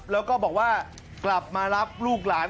แล้วก็บอกว่ากลับมารับลูกหลาน